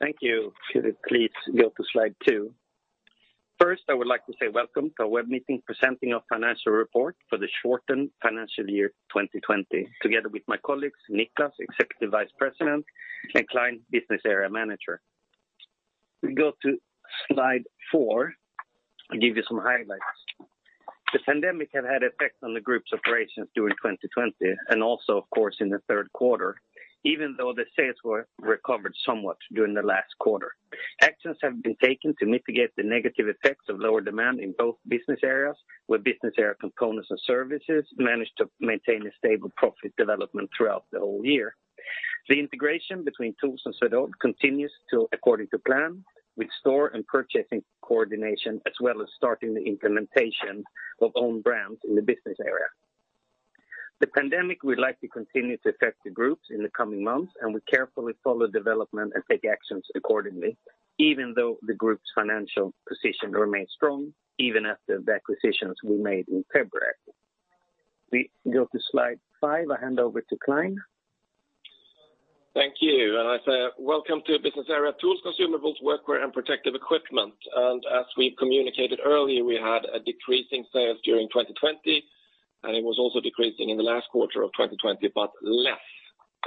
Thank you. Could you please go to slide two? First, I would like to say welcome to our web meeting, presenting our financial report for the shortened financial year 2020. Together with my colleagues, Niklas, Executive Vice President, and Claes, Business Area Manager. We go to slide four, I'll give you some highlights. The pandemic have had effect on the group's operations during 2020, and also, of course, in the third quarter, even though the sales were recovered somewhat during the last quarter. Actions have been taken to mitigate the negative effects of lower demand in both business areas, where business area components and services managed to maintain a stable profit development throughout the whole year. The integration between TOOLS and Swedol continues to according to plan, with store and purchasing coordination, as well as starting the implementation of own brands in the business area. The pandemic, we'd like to continue to affect the groups in the coming months, and we carefully follow development and take actions accordingly, even though the group's financial position remains strong, even after the acquisitions we made in February. We go to slide five. I hand over to Clein. Thank you. I say welcome to Business Area TOOLS, consumables, workwear, and protective equipment. As we communicated earlier, we had a decreasing sale during 2020, and it was also decreasing in the last quarter of 2020, but less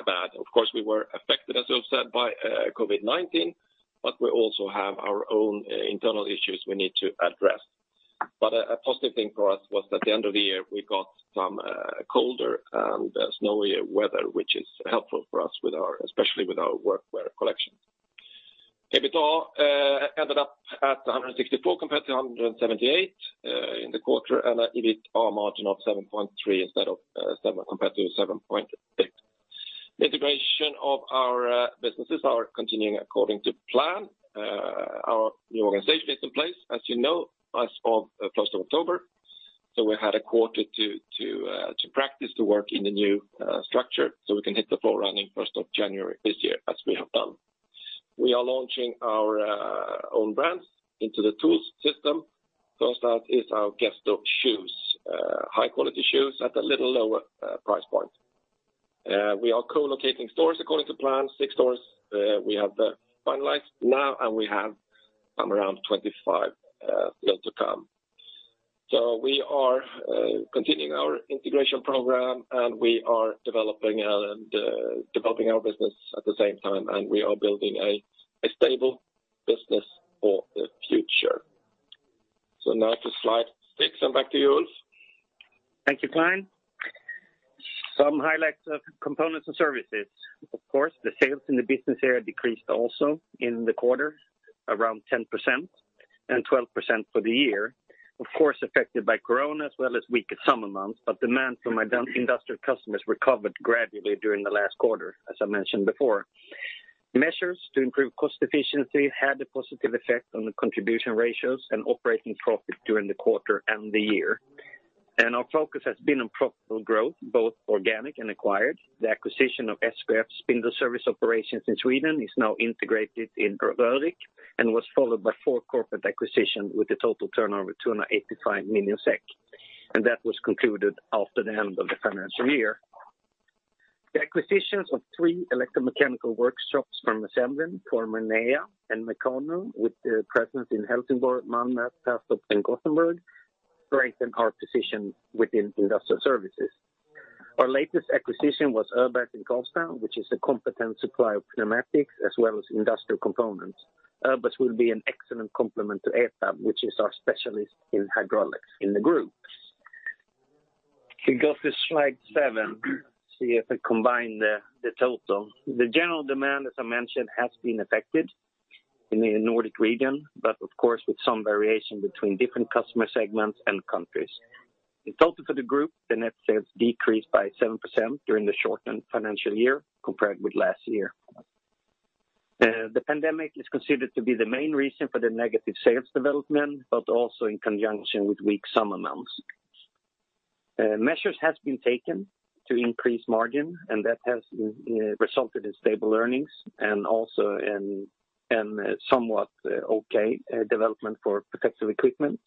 bad. Of course, we were affected, as I've said, by COVID-19, but we also have our own internal issues we need to address. A positive thing for us was at the end of the year, we got some colder and snowier weather, which is helpful for us, especially with our workwear collection. EBITDA ended up at 164 compared to 178 in the quarter, and an EBITA margin of 7.3% instead of 7% compared to 7.6%. The integration of our businesses is continuing according to plan. Our new organization is in place, as you know, as of close to October. We had a quarter to practice to work in the new structure, so we can hit the floor running first of January this year, as we have done. We are launching our own brands into the tools system. First out is our Gesto shoes, high quality shoes at a little lower price point. We are co-locating stores according to plan. Six stores, we have them finalized now, and we have some around 25 yet to come. We are continuing our integration program, and we are developing our and developing our business at the same time, and we are building a stable business for the future. Now to slide six, and back to you, Ulf. Thank you, Clein. Some highlights of components and services. Of course, the sales in the business area decreased also in the quarter, around 10%, and 12% for the year. Of course, affected by Corona as well as weaker summer months, but demand from our industrial customers recovered gradually during the last quarter, as I mentioned before. Measures to improve cost efficiency had a positive effect on the contribution ratios and operating profit during the quarter and the year. Our focus has been on profitable growth, both organic and acquired. The acquisition of SKF's spindle service operations in Sweden is now integrated in Rörick, and was followed by four corporate acquisitions, with a total turnover of 285 million SEK, and that was concluded after the end of the financial year. The acquisitions of three electromechanical workshops from Assemblin, former NEA and Mekano, with their presence in Helsingborg, Malmö, Halmstad, and Gothenburg, strengthen our position within industrial services. Our latest acquisition was Öbergs in Karlstad, which is a competent supplier of pneumatics, as well as industrial components. Öbergs will be an excellent complement to ETAB, which is our specialist in hydraulics in the group. We go to slide seven, see if I combine the total. The general demand, as I mentioned, has been affected in the Nordic region, but of course, with some variation between different customer segments and countries. In total for the group, the net sales decreased by 7% during the shortened financial year compared with last year. The pandemic is considered to be the main reason for the negative sales development, but also in conjunction with weak summer months. Measures have been taken to increase margin, and that has resulted in stable earnings and also in somewhat okay development for protective equipment.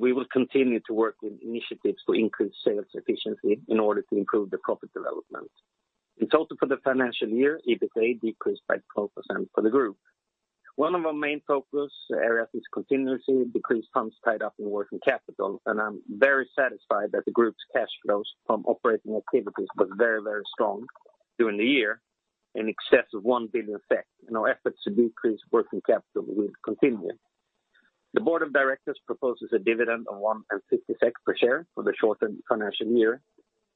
We will continue to work with initiatives to increase sales efficiency in order to improve the profit development. In total, for the financial year, EBITDA decreased by 12% for the group. One of our main focus areas is continuously decreased funds tied up in working capital, and I'm very satisfied that the group's cash flows from operating activities was very, very strong during the year, in excess of 1 billion SEK. Our efforts to decrease working capital will continue. The board of directors proposes a dividend of 1.50 SEK per share for the shortened financial year.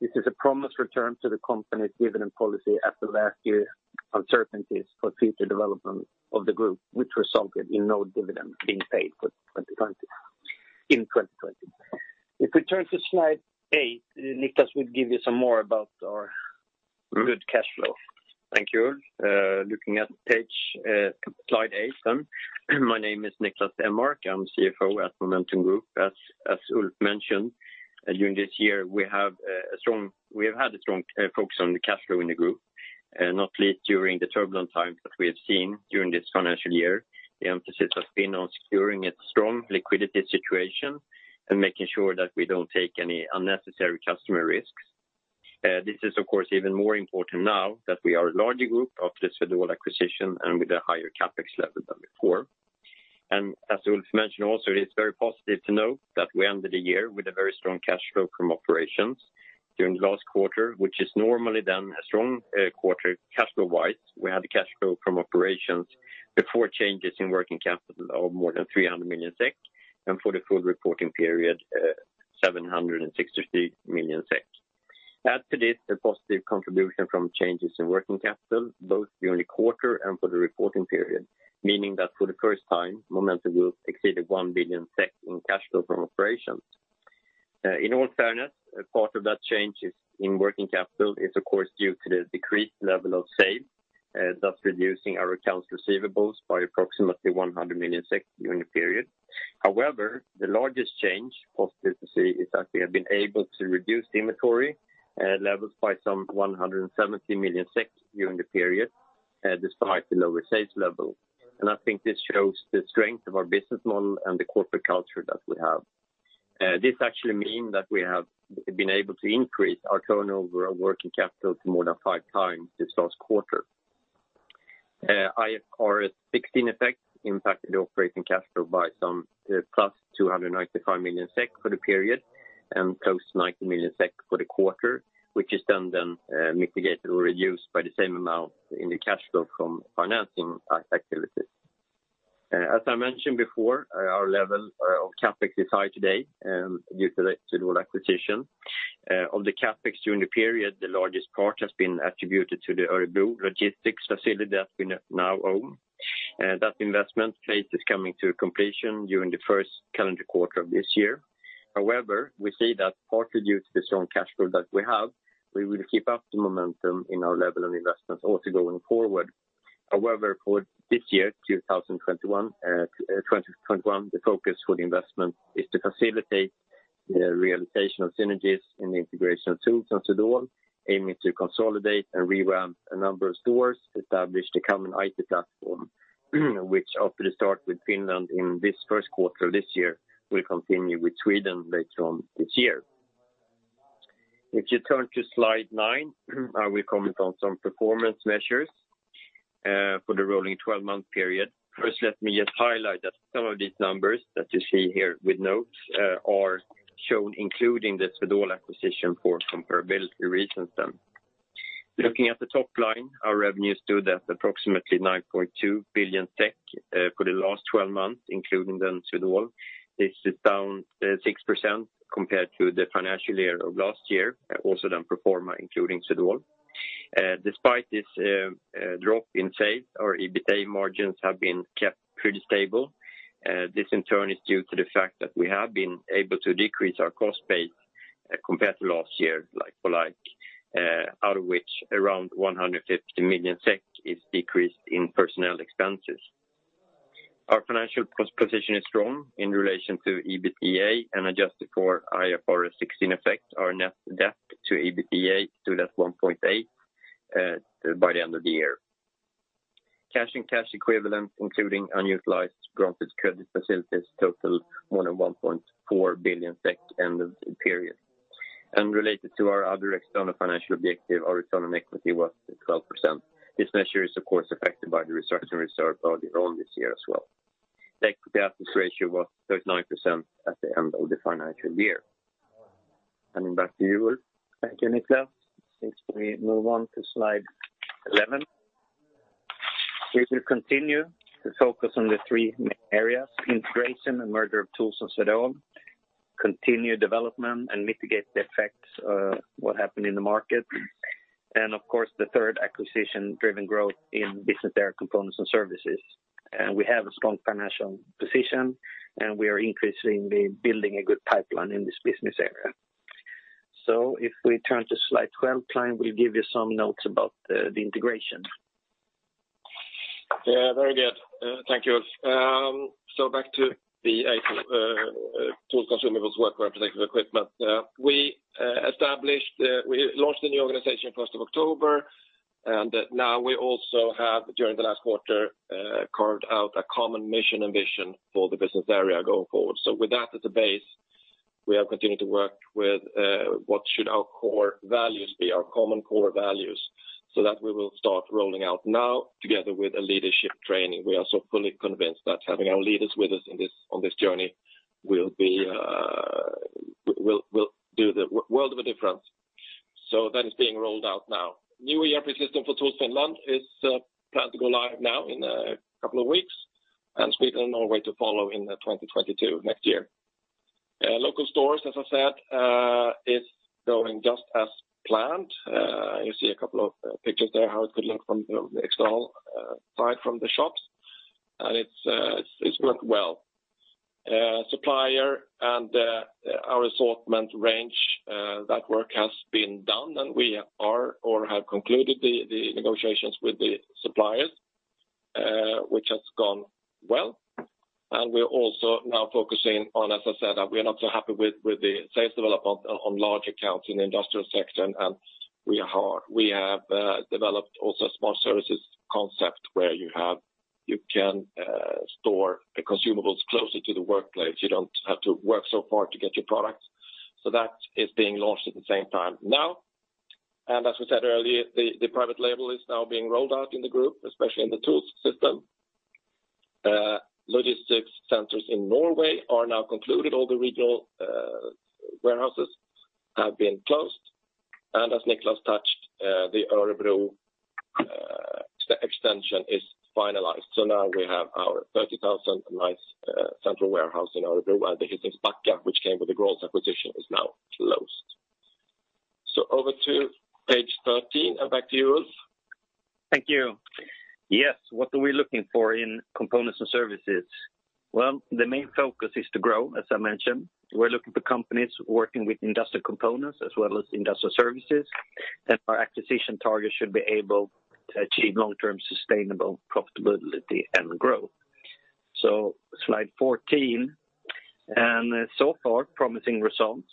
This is a promised return to the company's dividend policy after last year's uncertainties for future development of the group, which resulted in no dividend being paid for 2020, in 2020. If we turn to slide eight, Niklas will give you some more about our good cash flow. Thank you, Ulf. Looking at page, slide eight then. My name is Niklas Enmark, I'm CFO at Momentum Group. As Ulf mentioned, during this year, we have had a strong focus on the cash flow in the group, not least during the turbulent times that we have seen during this financial year. The emphasis has been on securing a strong liquidity situation and making sure that we don't take any unnecessary customer risks. This is, of course, even more important now that we are a larger group after the Swedol acquisition and with a higher CapEx level than before. And as Ulf mentioned also, it is very positive to note that we ended the year with a very strong cash flow from operations during the last quarter, which is normally then a strong quarter cash flow-wise. We had the cash flow from operations before changes in working capital of more than 300 million SEK, and for the full reporting period, 763 million SEK. Add to this a positive contribution from changes in working capital, both during the quarter and for the reporting period, meaning that for the first time, Momentum Group exceeded 1 billion SEK in cash flow from operations. In all fairness, a part of that change is in working capital is of course, due to the decreased level of sales, thus reducing our accounts receivables by approximately 100 million SEK during the period. However, the largest change, positive to see, is that we have been able to reduce the inventory levels by some 170 million SEK during the period, despite the lower sales level. I think this shows the strength of our business model and the corporate culture that we have. This actually mean that we have been able to increase our turnover of working capital to more than five times this last quarter. The IFRS 16 effect impacted the operating cash flow by some plus 295 million SEK for the period, and close to 90 million SEK for the quarter, which is then mitigated or reduced by the same amount in the cash flow from financing activities. As I mentioned before, our level of CapEx is high today due to the Swedol acquisition. Of the CapEx during the period, the largest part has been attributed to the Örebro logistics facility that we now own. That investment phase is coming to completion during the first calendar quarter of this year. However, we see that partly due to the strong cash flow that we have, we will keep up the momentum in our level of investments also going forward. However, for this year, 2021, 2021, the focus for the investment is to facilitate the realization of synergies in the integration of TOOLS and Swedol, aiming to consolidate and revamp a number of stores, establish the common IT platform, which after the start with Finland in this first quarter of this year, will continue with Sweden later on this year. If you turn to slide nine, I will comment on some performance measures, for the rolling 12-month period. First, let me just highlight that some of these numbers that you see here with notes, are shown, including the Swedol acquisition for comparability reasons then. Looking at the top line, our revenues stood at approximately 9.2 billion for the last twelve months, including then Swedol. This is down 6% compared to the financial year of last year, also then pro forma, including Swedol. Despite this drop in sales, our EBITDA margins have been kept pretty stable. This in turn is due to the fact that we have been able to decrease our cost base compared to last year, like for like, out of which around 150 million SEK is decreased in personnel expenses. Our financial cost position is strong in relation to EBITDA, and adjusted for IFRS 16 effect, our net debt to EBITDA stood at 1.8 by the end of the year. Cash and cash equivalents, including unutilized granted credit facilities, total more than 1.4 billion SEK end of the period. Related to our other external financial objective, our return on equity was at 12%. This measure is, of course, affected by the restructuring reserve earlier on this year as well. Equity assets ratio was 39% at the end of the financial year. Handing back to you, Ulf. Thank you, Niklas. Since we move on to slide 11. We will continue to focus on the three main areas: integration and merger of TOOLS and Swedol, continued development, and mitigate the effects of what happened in the market. And of course, the third, acquisition-driven growth in business area components and services. We have a strong financial position, and we are increasingly building a good pipeline in this business area. So, if we turn to slide 12, Clein will give you some notes about the integration. Yeah, very good. Thank you, Ulf. Back to the Tools Consumables Workwear Protective Equipment. We established, we launched the new organization first of October, and now we also have, during the last quarter, carved out a common mission and vision for the business area going forward. With that as a base, we have continued to work with what should our core values be, our common core values, so that we will start rolling out now together with a leadership training. We are so fully convinced that having our leaders with us in this, on this journey will be, will do the world of a difference. That is being rolled out now. New ERP system for TOOLS Finland is planned to go live now in a couple of weeks, and Sweden on way to follow in 2022, next year. Local stores, as I said, is going just as planned. You see a couple of pictures there, how it could look from the external side from the shops, and it's worked well. Supplier and our assortment range, that work has been done, and we are or have concluded the negotiations with the suppliers, which has gone well. And we're also now focusing on, as I said, we are not so happy with the sales development on large accounts in the industrial sector, and we have developed also a small services concept where you can store the consumables closer to the workplace. You don't have to work so far to get your products. So that is being launched at the same time now. And as we said earlier, the private label is now being rolled out in the group, especially in the TOOLS. Logistics centers in Norway are now concluded. All the regional warehouses have been closed, and as Niklas touched, the Örebro extension is finalized. So now we have our 30,000 m² central warehouse in Örebro, while the Hisingen Backa, which came with the Grolls acquisition, is now closed. So over to page 13, and back to you, Ulf. Thank you. Yes, what are we looking for in components and services? Well, the main focus is to grow, as I mentioned. We're looking for companies working with industrial components as well as industrial services, and our acquisition targets should be able to achieve long-term, sustainable profitability and growth. So slide 14, and so far, promising results.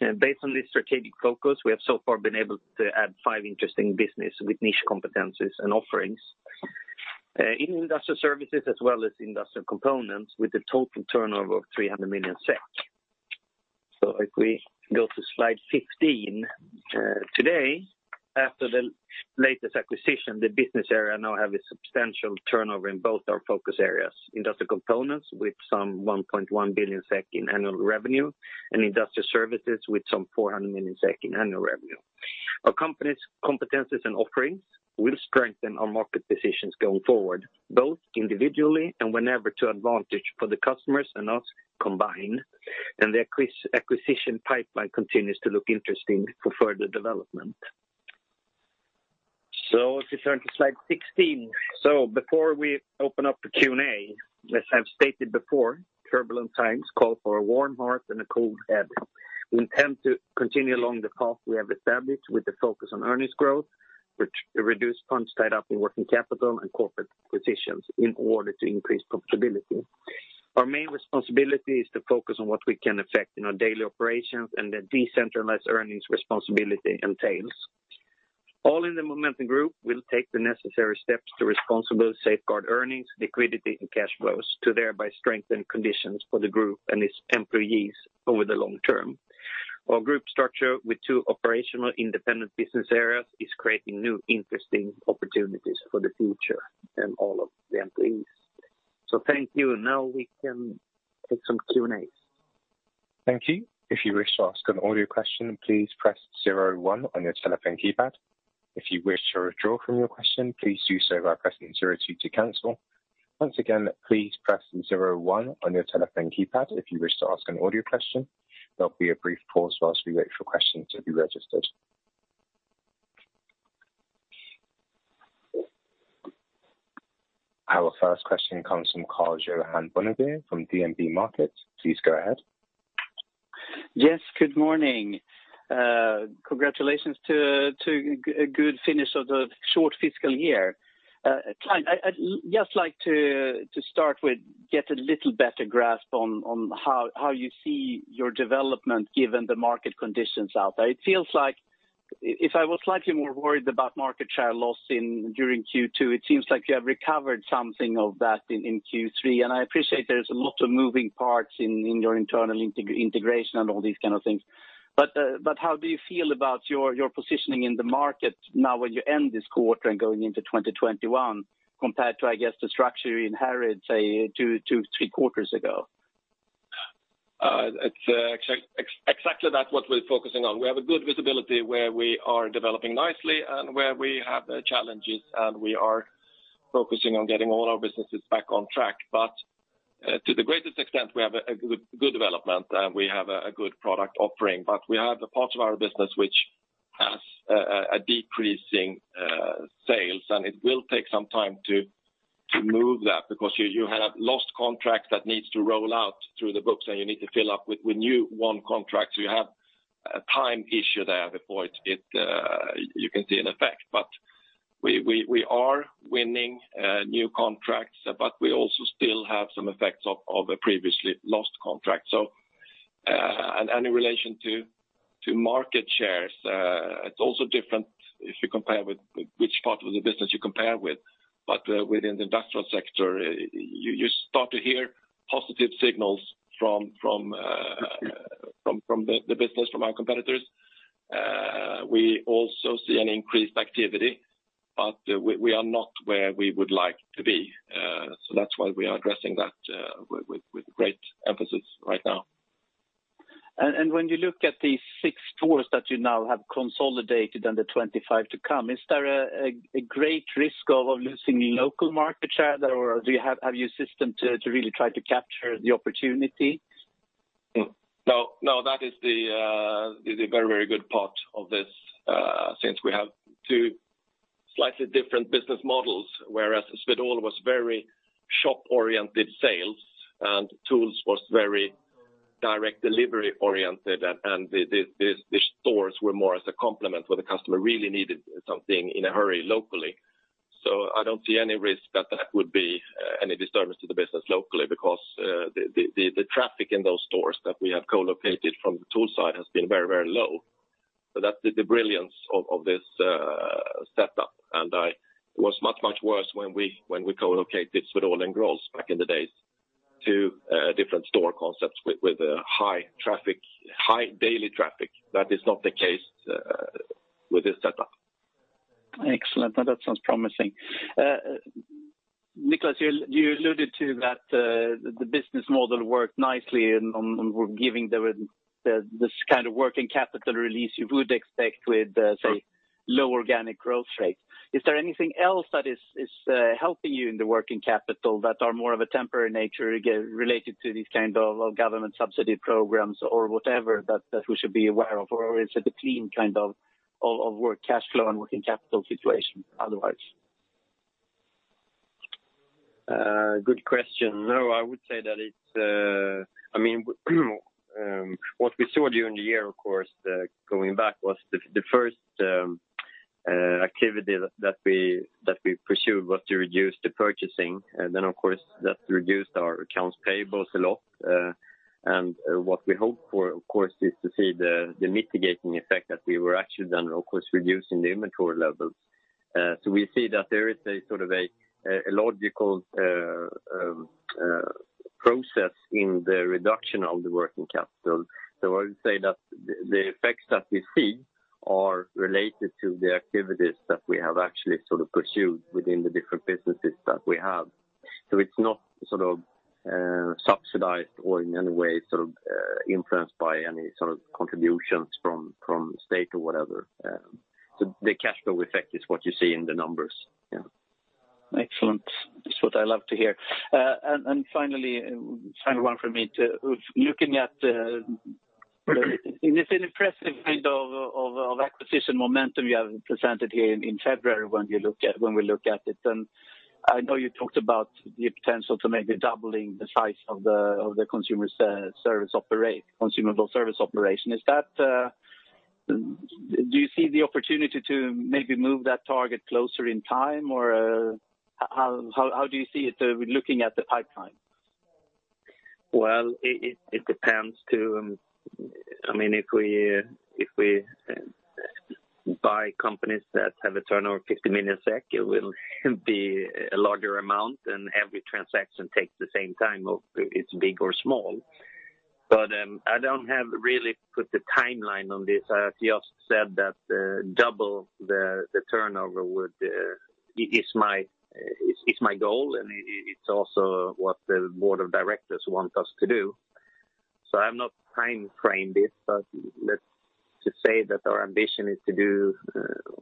Based on this strategic focus, we have so far been able to add five interesting business with niche competencies and offerings, in industrial services as well as industrial components, with a total turnover of 300 million. So, if we go to slide 15, today, after the latest acquisition, the business area now have a substantial turnover in both our focus areas, industrial components, with some 1.1 billion SEK in annual revenue, and industrial services, with some 400 million SEK in annual revenue. Our company's competencies and offerings will strengthen our market positions going forward, both individually and whenever to advantage for the customers and us combined, and the acquisition pipeline continues to look interesting for further development. So if you turn to slide 16. Before we open up the Q&A, as I've stated before, turbulent times call for a warm heart and a cold head. We intend to continue along the path we have established with a focus on earnings growth, which reduce funds tied up in working capital and corporate positions in order to increase profitability. Our main responsibility is to focus on what we can affect in our daily operations, and the decentralized earnings responsibility entails. All in the Momentum Group will take the necessary steps to responsibly safeguard earnings, liquidity, and cash flows, to thereby strengthen conditions for the group and its employees over the long term. Our group structure, with two operational independent business areas, is creating new, interesting opportunities for the future and all of the employees. Thank you. Now we can take some Q&A. Thank you. If you wish to ask an audio question, please press zero one on your telephone keypad. If you wish to withdraw from your question, please do so by pressing zero two to cancel. Once again, please press zero one on your telephone keypad if you wish to ask an audio question. There'll be a brief pause while we wait for questions to be registered. Our first question comes from Karl-Johan Bonnevier from DNB Markets. Please go ahead. Yes, good morning. Congratulations to a good finish of the short fiscal year. Claes, I'd just like to start with getting a little better grasp on how you see your development given the market conditions out there. It feels like if I was slightly more worried about market share loss during second quarter, it seems like you have recovered something of that in third quarter, and I appreciate there's a lot of moving parts in your internal integration and all these kinds of things. But how do you feel about your positioning in the market now when you end this quarter and going into 2021 compared to, I guess, the structure you inherited, say, two to three quarters ago? It's exactly that's what we're focusing on. We have a good visibility where we are developing nicely and where we have the challenges, and we are focusing on getting all our businesses back on track. But, to the greatest extent, we have a good development, and we have a good product offering. But we have a part of our business which has a decreasing sale, and it will take some time to move that, because you have lost contracts that needs to roll out through the books, and you need to fill up with new won contracts. So, you have a time issue there before it you can see an effect. But we are winning new contracts, but we also still have some effects of a previously lost contract. In relation to market shares, it's also different if you compare with which part of the business you compare with. But within the industrial sector, you start to hear positive signals from the business, from our competitors. We also see an increased activity, but we are not where we would like to be, so that's why we are addressing that with great emphasis right now. When you look at these six stores that you now have consolidated and the 25 to come, is there a great risk of losing local market share, or do you have a system to really try to capture the opportunity? No, no, that is the very, very good part of this, since we have two slightly different business models, whereas Swedol was very shop-oriented sales, and TOOLS was very direct delivery-oriented, and the stores were more as a complement where the customer really needed something in a hurry locally. So, I don't see any risk that that would be any disturbance to the business locally, because the traffic in those stores that we have co-located from the TOOLS side has been very, very low. So that's the brilliance of this setup, and it was much, much worse when we co-located Swedol and Grolls back in the days to different store concepts with a high traffic, high daily traffic. That is not the case with this setup. Excellent. Now, that sounds promising. Niklas, you alluded to that, the business model worked nicely and we're giving this kind of working capital release you would expect with, say, low organic growth rate. Is there anything else that is helping you in the working capital that are more of a temporary nature, again, related to these kinds of government subsidy programs or whatever, that we should be aware of? Or is it a clean kind of work cash flow and working capital situation otherwise? Good question. No, I would say that it's... I mean, what we saw during the year, of course, going back, was the first activity that we pursued was to reduce the purchasing. And then, of course, that reduced our accounts payables a lot. And what we hope for, of course, is to see the mitigating effect that we were actually done, of course, reducing the inventory levels. So, we see that there is a sort of a logical process in the reduction of the working capital. So, I would say that the effects that we see are related to the activities that we have actually sort of pursued within the different businesses that we have. So, it's not sort of subsidized or in any way sort of influenced by any sort of contributions from state or whatever. So, the cash flow effect is what you see in the numbers. Yeah. Excellent. That's what I love to hear. And finally, final one from me to... Looking at, it's an impressive kind of acquisition momentum you have presented here in February when you look at- when we look at it. I know you talked about the potential to maybe doubling the size of the, of the consumable service operation. Is that... Do you see the opportunity to maybe move that target closer in time? Or how do you see it, looking at the pipeline? Well, it depends to. I mean, if we buy companies that have a turnover of 50 million SEK, it will be a larger amount, and every transaction takes the same time, if it's big or small. But I don't have really put the timeline on this. I just said that double the turnover would is my goal, and it's also what the board of directors want us to do. So, I've not time-framed this, but let's just say that our ambition is to do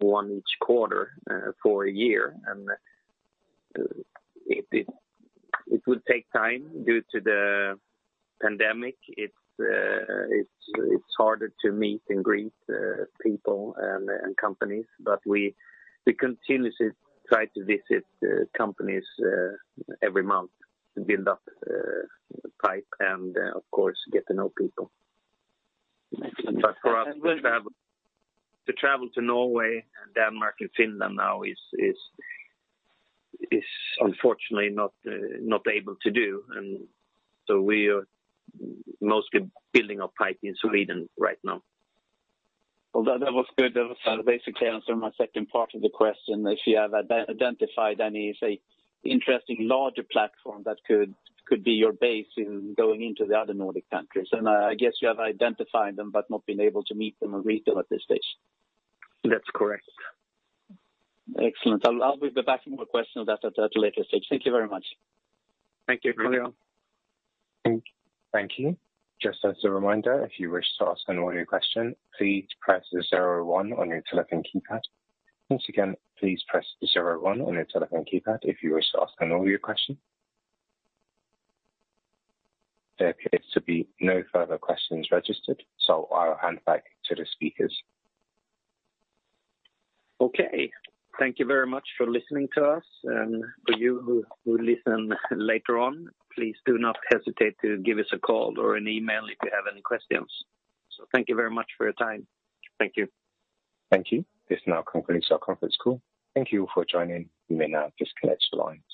one each quarter for a year. And it would take time due to the pandemic. It's harder to meet and greet people and companies. But we continuously try to visit companies every month to build up pipe and, of course, get to know people. Excellent. But for us to travel to Norway and Denmark and Finland now is unfortunately not able to do, and so we are mostly building up pipe in Sweden right now. Well, that was good. That was basically answered my second part of the question. If you have identified any, say, interesting larger platform that could be your base in going into the other Nordic countries. And, I guess you have identified them but not been able to meet them or retail at this stage. That's correct. Excellent. I'll be back with more questions on that at a later stage. Thank you very much. Thank you. Carry on. Thank you. Just as a reminder, if you wish to ask an audio question, please press 01 on your telephone keypad. Once again, please press 01 on your telephone keypad if you wish to ask an audio question. There appears to be no further questions registered, so I'll hand back to the speakers. Okay. Thank you very much for listening to us. For you who listen later on, please do not hesitate to give us a call or an email if you have any questions. Thank you very much for your time. Thank you. Thank you. This now concludes our conference call. Thank you for joining. You may now disconnect your lines.